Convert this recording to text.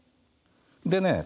でね。